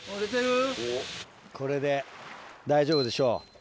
これで大丈夫でしょう。